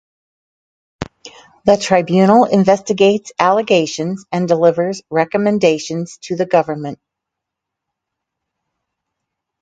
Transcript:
The tribunal investigates allegations and delivers recommendations to the government.